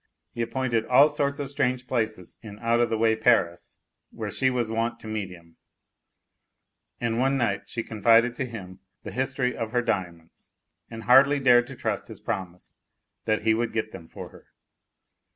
He appointed all sorts of strange places in out of the way Paris where she was wont to meet him, and one night she confided to him the history of her diamonds, and hardly dared to trust his promise that he would get them for her.